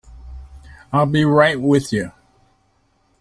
I'll be right with you.